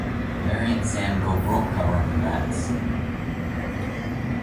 Larry and Sam go broke covering her bets.